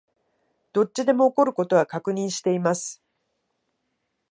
どっちでも起こる事は確認しています